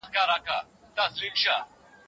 د ناروغۍ لومړنۍ نښې کم اشتها او کانګې دي.